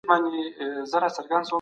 د خلګو شخصي حریم باید خوندي وساتل سي.